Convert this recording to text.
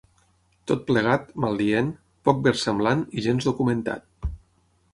Tot plegat, maldient, poc versemblant i gens documentat.